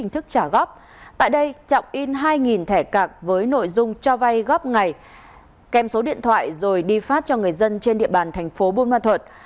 tại đây trọng in hai thẻ cạc với nội dung cho vay góp ngày kèm số điện thoại rồi đi phát cho người dân trên địa bàn thành phố buôn ma thuật